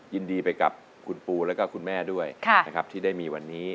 ยินดีไปกับคุณปูและคุณแม่ด้วยาที่ได้มีวันนี้